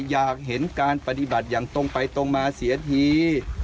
อยากเห็นการปฏิบัติอย่างตรงไปตรงมาเสียที